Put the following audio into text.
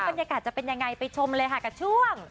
บรรยากาศจะเป็นยังไงไปชมเลยค่ะกับช่วง